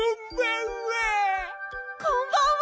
こんばんは！